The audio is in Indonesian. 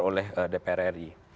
oleh dpr ri